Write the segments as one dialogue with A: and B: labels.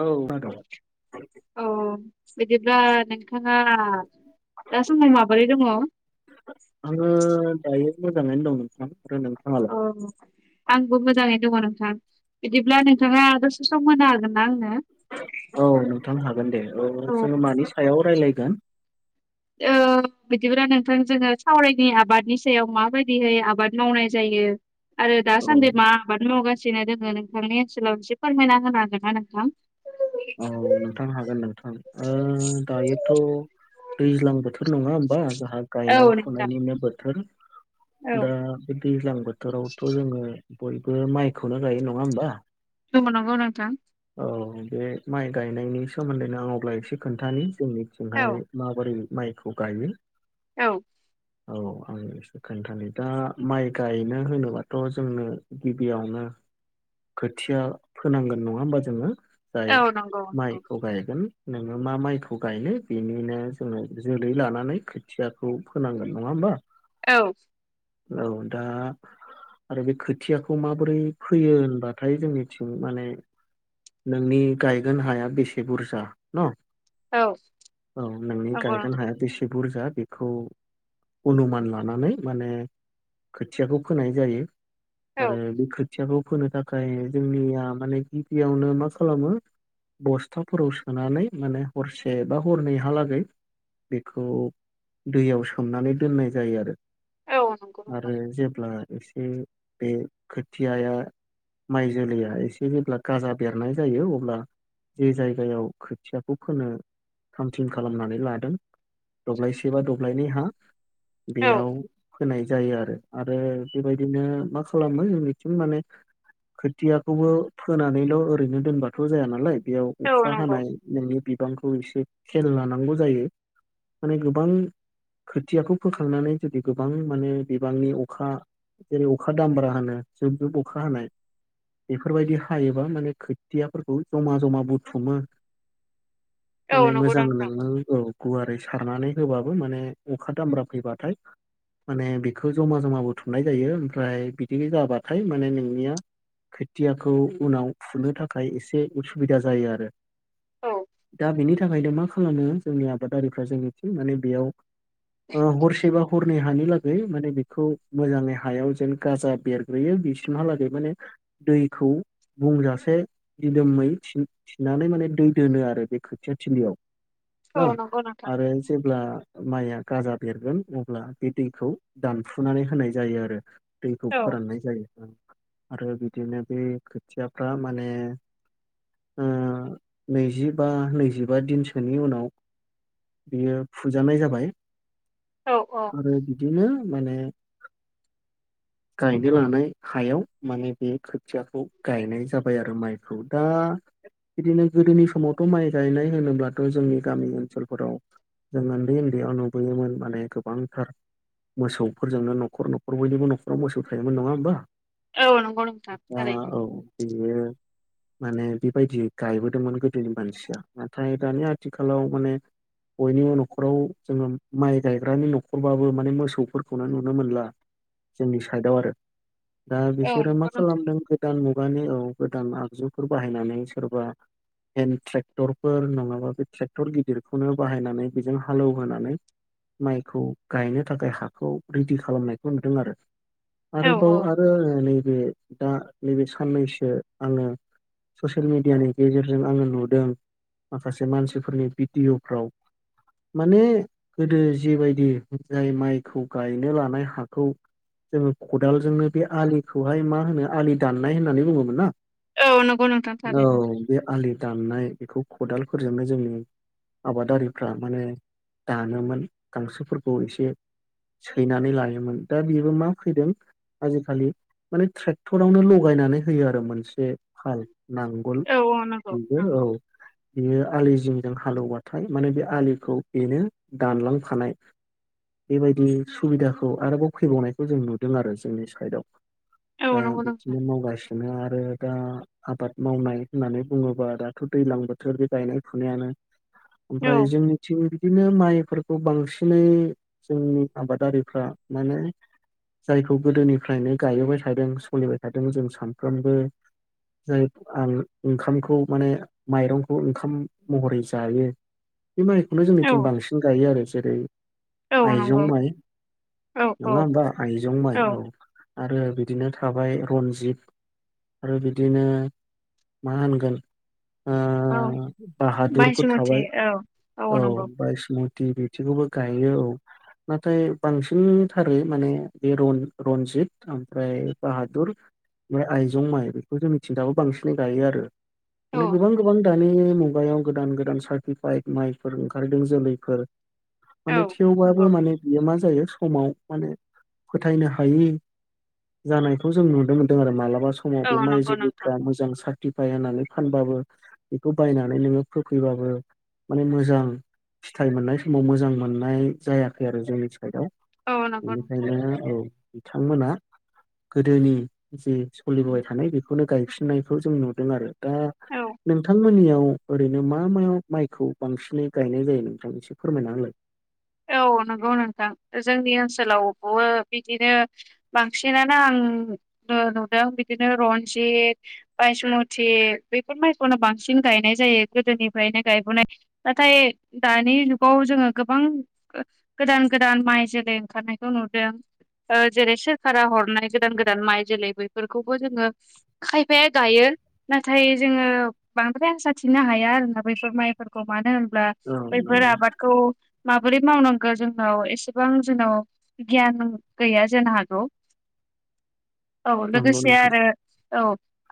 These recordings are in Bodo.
A: औ माद
B: औ बिदिब्ला नोंथाङा दा समाव माबोरै दङ
A: आङो दायो मोजाङैनो नोंथां आरो नोंथाङालाय
B: अ आंबो मोजाङैनो दङ नोंथां बिदिब्ला नोंथाङा दसे सम होनो हागोन ना आंनो
A: औ नोंथां हागोन दे औ जोङो मानि सायाव रायलायगोन
B: ओ बिदिब्रा नोंथां जोङो सावरायनि आबादनि सायाव माबायदिहै आबाद मावनाय जायो आरो
A: औ
B: दासान्दि मा आबाद मावगासिनो दोङो नोंथांनि ओनसोलाव एसे फोरमायना होनो हागोन ना नोंथां
A: औ औ नोंथां हागोन नोंथां ओ दायोथ' दैज्लां बोथोर नङा होमबा जा आ
B: औ
A: गायनाय
B: नोंथां
A: फुनायनिनो बोथोर
B: औ
A: दा बे दैज्लां बोथोरावथ' जोङो बयबो माइखौनो गायो नङा होमबा
B: जोंबो नांगौ नोंथां
A: औ बे माइ गायनायनि सोमोन्दैनो आं अब्ला एसे खोन्थानि जोंनिथिंहाय
B: औ
A: माबोरै माइखौ गायो
B: औ
A: औ आं एसे खोन्थानो दा माइ गायनो होनोबाथ' जोंनो गिबियावनो
B: [inaudible] [unintelligible]
A: खोथिया फोनांगोन नङा होमबा जोङो जाय
B: औ नंगौ नंगौ
A: माइखौ गायगोन नोङो मा माइखौ गायनो बेनिनो जोङो जोलै लानानै खोथियाखौ फोनांगोन नङा होमबा
B: औ
A: औ दा आरो बे खोथियाखौ माबोरै फैयो होनबाथाय जोंनिथिं माने नोंनि गायगोन हाया बेसे बुरजा न
B: औ
A: औ नोंनि
B: नंगौ
A: गायगोन
B: नोंथां
A: हाया बेसे बुरजा बेखौ अनुमान लानानै माने खोथियाखौ फोनाय जायो
B: औ
A: आरो बे खो खोथियाखौ फोनो थाखाय जोंनिया माने गिबियावनो मा खालामो बस्थाफोराव सोनानै माने हरसे बा हरनैहालागै बेखौ दैयाव सोमनानै दोननाय जायो आरो
B: औ नंगौ नोंथां
A: आरो जेब्ला एसे बे खोथियाया माइ जोलैया एसे जेब्ला गाजा बेरनाय जायो अब्ला जे जायगायाव खोथियाखौ फोनो थाम थिम खालामनानै लादों दब्लायसे बा दब्लायनै हा
B: औ
A: बेयाव होनाय जायो आरो आरो बेबायदिनो मा खालामो जोंनिथिं माने खोथियाखौबो फोनानैल' ओरैनो दोनबाथ' जाया नालाय बेयाव
B: औ
A: अखा
B: नंगौ
A: हानाय नोंनि बिबांखौ एसे खेल लानांगौ जायो माने गोबां खोथियाखौ फोखांनानै जुदि गोबां माने बिबांनि अखा जेरै अखा दामब्रा होनो जुब जुब अखा हानाय बेफोरबायदि हायोबा माने खोथियाफोरखौ जमा जमा बुथुमो
B: औ
A: माने
B: नंगौ
A: मोजां
B: नोंथां
A: नोंनो औ गुवारै सारनानै होबाबो माने अखा दामब्रा फैबाथाय माने बेखौ जमा जमाबो थुमनाय जायो ओमफ्राय बिदि जाबाथाय माने नोंनिया खोथियाखौ उनाव फुनो थाखाय एसे उसुबिदा जायो आरो।
B: औ
A: दा बेनि थाखायनो मा खालामो जोंनि आबादारिफ्रा जोंनिथिं माने बेयाव अ हरसेबो हरनै हानि लागै माने बेखौ मोजाङै हायाव जेन गाजा बेरग्रोयो बिसिमहालागै माने दैखौ बुंजासे दिदोमै थिन थिनानै माने दै दोनो आरो बे खोथिया थिलियाव हो
B: औ नंगौ नोंथां
A: आरो जेब्ला माइआ गाजा बेरगोन अब्ला बे दैखौ दानफुनानै होनाय जायो आरो। दैखौ
B: औ
A: फोराननाय जायो। आरो बिदिनो बे खोथियाफ्रा माने नैजिबा नैजिबा दिनसोनि उनाव बेयो फुजानाय जाबाय
B: औ औ
A: [inaudible] आरो बिदिनो माने
B: [inaudible]
A: गायनो लानाय हायाव माने बे खोथियाखौ गायनाय जाबाय आरो माइखौ दा बिदिनो गोदोनि समावथ' माइ गायनाय होनोब्लाथ' जोंनि गामि ओनसोलफोराव जों उन्दै उन्दैयाव नुबोयोमोन माने गोबांथार मोसौफोरजोंनो न'खर न'खर बयनिबो न'खराव मोसौ थायोमोन नङा होमबा।
B: औ नंगौ नोंथां थारैनो
A: औ बेयो माने बेबायदि गायबोदोंमोन गोदोनि मानसिया। नाथाय दानि आथिखालाव माने बयनिबो न'खराव जोङो माइ गायग्रानि न'खरबाबो माने मोसौफोरखौनो नुनो मोनला। जोंनि साइडआव आरो। दा
B: औ
A: बिसोरो मा
B: नंगौ नोंथां
A: खालामदों गोदान मुगानि औ गोदान आगजुफोर बाहायनानै सोरबा हेन ट्रेक्टरफोर नङाबा बे ट्रेक्टर गिदिरखौनो बाहायनानै बेजों हालेवहोनानै माइखौ गायनो थाखाय हाखौ रेडि खालामनायखौ नुदों आरो।
B: औ
A: आरोबाव आरो आङो नैबे दा नैबे साननैसो आङो ससियेल मिडियानि गेजेरजों आङो नुदों माखासे मानसिफोरनि भिडिअ'फ्राव माने गोदो जिबायदि जाय माइखौ गायनो लानाय हाखौ जोङो खदालजोंनो बे आलिखौहाय मा होनो आलि दाननाय होननानै बुङोमोन ना?
B: औ नंगौ नो
A: औ बे आलि दाननाय बेखौ खदालफोरजोबनाय जोंनो आबादारिफ्रा माने दानोमोन गांसोफोरखौ एसे सैनानै लायोमोन दा बेबो मा फैदों आजिखालि माने ट्रेक्टरावनो लगायनानै होयो आरो मोनसे फाल। नांगोल
B: औ औ नंगौ
A: बेयो
B: नंगौ
A: औ बियो आलिजों जों हालौवबाथाय माने बे आलिखौ बेनो दानलांखानाय। बेबायदि सुबिदाखौ आरोबाव फैबावनायखौ जों नुदों आरो जोंनि साइदआव।
B: औ
A: दा
B: नंगौ नोंथां
A: बिदिनो मावगासिनो आरो दा आबाद मावनाय होननानै बुङोबा दाथ' दैज्लां बोथोर बे गायनाय फुनायानो।
B: औ
A: ओमफ्राय जोंनिथिं बिदिनो माइफोरखौ बांसिनै जोंनि आबादारिफ्रा माने जायखौ गोदोनिफ्रायनो गायबोबाय थादों सोलिबाय थादों जों सानफ्रोमबो जाय आं ओंखामखौ माने माइरंखौ ओंखाम महरै जायो। बे माइखौनो
B: औ
A: जोंनिथिं बांसिन गायो आरो जेरै
B: औ नंगौ
A: आइजं माइ।
B: औ
A: नङा
B: औ
A: होमबा आयजं माइ औ। आरो बिदिनो थाबाय रनजित आरो बिदिनो मा होनगोन? ओ
B: औ
A: बाहादुरफोर
B: बायसुमथि
A: थाबाय
B: औ
A: औ बाइसद बिथिंखौबो गायो औ। नाथाय बांसिनथारो माने बे रन-रनजित ओमफ्राय बाहादुर। ओमफ्राय आइजं माइ बेखौ जों मिथिनो दाबो बांसिनै गायो आरो।
B: औ
A: माने गोबां गोबां दानि मु माबायाव गोदान गोदान सार्टिफाइड माइफोर ओंखारदों जोलैफोर
B: औ
A: माने
B: नंगौ
A: थेवबाबो माने बियो मा? जायो समाव माने फोथायनो हायि जानायखौ जों नुनो मोनदों ।आरो मालाबा समाव
B: औ
A: बे माइ
B: नंगौ नोंथां
A: जुलिैफोरा मोजां सार्टिफाय होननानै फानबाबो बेखौ बायनानै नोङो फोफैबाबो माने मोजां फिथाइ मोननाय समाव मोजां मोननाय जायाखै आरो जोंनि
B: औ नंगौ नोंथां
A: बेनिखायनो औ बिथांमोना गोदोनि जों सोलिबोबाय थानाय बेखौनो गायफिननायखौ जों नुदों आरो दा
B: औ
A: नोंथांमोननियाव? ओरैनो मा मा माइखौ बांसिनै गायनाय जायो नोंथां मोनसे फोरमायनालाय?
B: औ। नगौ नोंथां जोंनि ओनसोलावबो बिदिनो बांसिनानो आं। नुदों। बिदिनो रनजित, बायसुमति बेफोर माइखौनो बांसिन गायनाय जायो। गोदोनिफ्रायनो गायबोनाय। नाथाय दानि जुगाव जोङो गोबां गोदान गोदान माइ जोलै ओंखारनायखौ नुदों। जेरै सोरखारा हरनाय गोदान गोदान माइ जोलै बेफोरखौबो जोङो खायफाया गायो। नाथाय जोङो बांद्राय आसा थिनो हाया आरोोना बैफोर माइफोरखौ मानो होन
A: औ
B: बैफोर
A: नंगौ
B: आबादखौ मा बोरै मावनांगौ जोंनाव एसेबां जोंनाव गियान गैया जानो हागौ। औ
A: नंगौ
B: ।लोगोसे
A: नोंथां
B: आरो औ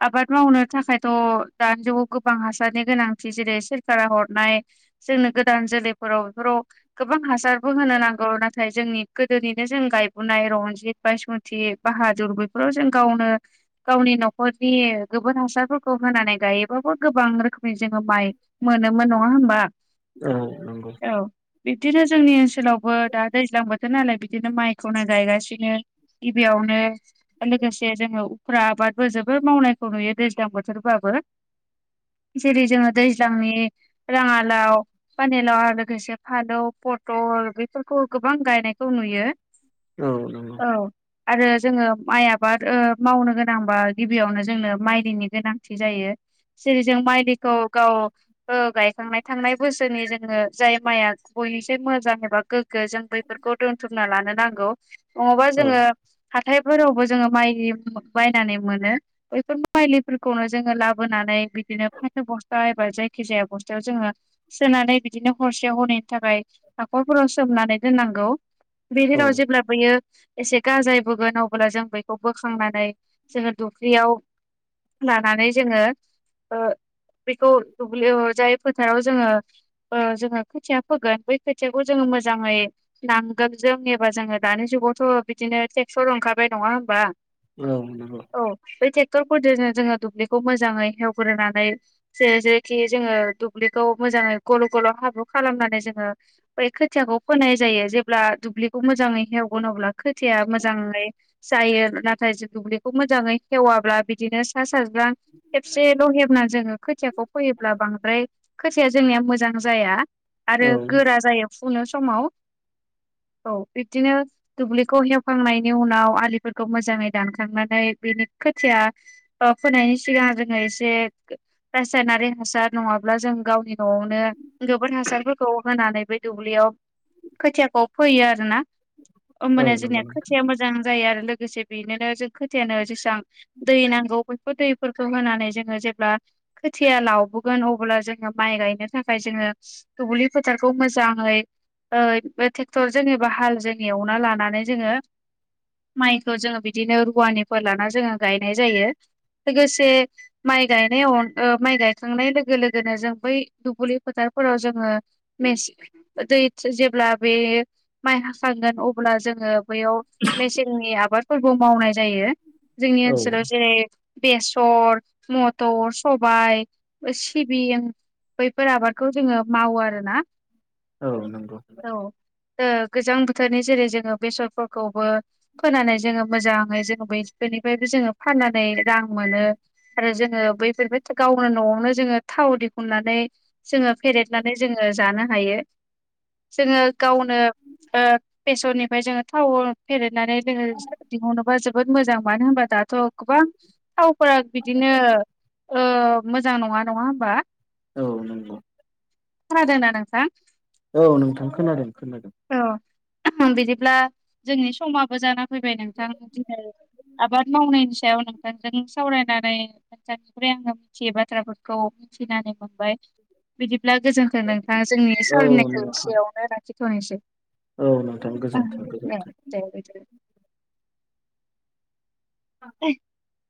B: आबाद मावनो थाखाय थ' दानि जुगाव गोबां हासारनि गोनांथि जेरै सोरखारा हरनाय जोंनो गोदान जोलैफोर फोराव बेफोराव गोबां हासारबो होनो नांगौ। नाथाय जोंनि गोदोनिनो जों गायबोनाय रनजित बायसुमति, बाहादुर बेफोराव जों गावनो गावनि न'खरनि गोबोर हासारफोरखौ होनानै गायोबाबो गोबां रोखोम जोङो माइ मोनोमोन नङा होमबा?
A: औ नंगौ।
B: औ बिब्दिनो जोंनि ओनसोलावबो दा दैज्लां बोथोर नालाय बिदिनो माइखौनो गायगासिनो गिबियाव नो लोगोसे जोङो उफ्रा आबादबो जोबोोर मावनायखौ नुयो दैज्लां बोथोरबाबो जेरै जोङो दैज्लांनि राङालाव पानिलााव आरो लोगोसे फादौ, पटल बेफोरखौ गोबां गायनायखौ नुयो।
A: औ नंगौ।
B: औ आरो जोङो माइ आबाद मावनो गोनांबा गिबियावनो जोंनो माइ दैनि गोनांथि जायो। जेरै जों माइ दैखौ गाव गायखांनाय थांनाय बोसोरनि जोङो जाय माइआ बयनिसे मोजां एबा गोग्गो जों बैफोरखौ दोनथुमना लानो नांगौ। नङाबा
A: औ
B: जोङो हाथायफोरावबो जोङो माइ बायनानै मोनो बैफोर माइलिफोरखौनो जोङो लाबोनानै बिदिनो फ बस्था एबा जायखि जाया बस्थायाव जोङो सोनानै बिदिनो हरसेयाव हरै थाखाय हाखरफोराव सोमनानै दोननांगौ बे
A: औ
B: जेराव जेब्लाबोयो। एसे गाजाय बगोन अबोब्ला जों बेखौ बोखांनानै जोङो दख्लियाव लानानै जोङो बेखौ दुब्लियाव जाय फोथाराव जोङो जोङो खोथिया फोगोन बै खोथियाखौ जोङो मोजाङै नांगोन जों एबा जोङो दानि जुगावथ' बिदिनो स ओंखाबाय नङा होमबा?
A: औ नंगौ
B: औ बै क्टरफोरजोंनो जोङो दुब्लिखौ मोजाङै हेवग्रोनानै ज जेरैखि जोङो दुब्लिखौ मोजाङै गल' गल' हाबु खालामनानै जोङो बै खोथियाखौ फोनाय जायो ।जेब्ला दुब्लिखौ मोजाङै हेवगोन अब्ला खोथिया मोजां जायो नाथाय दुब्लिखौ मोजाङै खेवाब्ला बिदिनो सा सा खबसेल' हब जोङो खोखौ फयो बांद्र खो जोंनि म मोजां जया आरो
A: औ
B: गोरा जायो फुनो समाव। औ बिब्दिनो दुब्लिखौ हेवखांनायनि उनाव आलिफोरखौ मोजाङै दानखांनानै बेनि खोथिया ओ फोनायनि सिगां जोङो एसे रासायनारि हासार नङाब्ला जों गावनि न'आवनो गोबोर हासारफोरखौ खौ होनानै बे दुब्लियाव खोथियाखौ फोयो आरोना
A: औ
B: होमबाने
A: नंगौ
B: जोंनिया
A: नोंथां
B: खोथिया मोजां जायो आरो लोगोसे बेनोनो जों खोथियानो जेसबां दै नांगौ बेफोर फोथैफोरखौ होनानै जोङो जेब्ला खोथिया लावबोगोन अब्ला जोङो माइ गायनो थाखाय जोङो दुब्लि फोथारखौ मोजाङै ओ बे ट्रेक्टर जेनेबा हाल जों एवना लानानै जोङो माइखौ जोङो बिदिनो रुवानिफोर लाना जोङो गायनाय जायो। लोगोसे माइ गायनायाव माइ गायखांनाय लोगो लोगोनो जों बै दुब्लि फोथारफोराव जों ओ मेसें दै जेब्ला बे माइ हाखांगोन अब्ला जों जङो बैयाव मेसेंनि आबादफोरबो मावनाय जायो जोंनि
A: औ
B: ओनसोलाव जेरै बेसर मथर सबाय सिबिं बैफोर आबादखौ जोङो मावो आरो ना
A: औ
B: गोजां बोथोरनि जेरै जोङो बेसरफोरखौबो फोनानै जोङो मोजाङै जोङो बेफ्रायबो जोङो फाननानै रां मोनो आरो जोङो बैफोरखौबो न'आवनो जोङो थाव दिहुननानै जोङो फेरेदनानै जोङो जानो हायो। जोङो गावनो ओ बेसरनिफ्राय जोङो थाव फेरेनानै जोङो दिहुनोबा जोबोद मोजां मानो होनबा दाथ' गोबां थावफोरा बिदिनो ओ मोजां नङा नङा होमबा
A: औ नंगौ
B: खोनादोंना नोंथां
A: औ नोंथां खोनादों खोनादों
B: औ बिदिब्ला जोंनि समाबो जाना फैबाय नोंथां दिनै आबाद मावनायनि सायाव नोंथांजों सावरायनानै नोंथांनिफ्राय आङो मिथियै बाथ्राफोरखौ मिथिनानै मोनबाय बिदिब्ला गोजोनथों नोंथां जोंनि
A: औ
B: सावलिनायखौ
A: नोंथां
B: एसेयावनो लाखिथ'नोसै
A: औ नोंथां
B: ओं
A: गोजोनथों
B: ओं
A: गोजोनथों
B: दे बिदि [unintelligible]